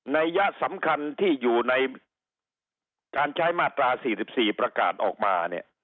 ัยยะสำคัญที่อยู่ในการใช้มาตรา๔๔ประกาศออกมาเนี่ย